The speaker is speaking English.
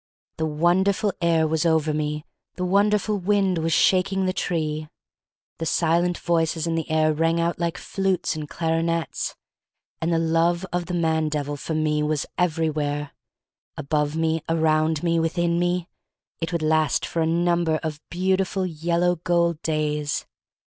"The wonderful air was over me; the wonderful wind was shaking the tree." The silent voices in the air rang out like flutes and clarionets. And the love of the man devil for me was everywhere — above me, around me, within me. It would last for a number of beautiful yellow gold days.